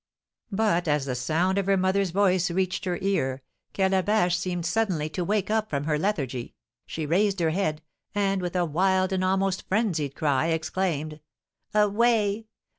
But as the sound of her mother's voice reached her ear, Calabash seemed suddenly to wake up from her lethargy, she raised her head, and, with a wild and almost frenzied cry, exclaimed: "Away!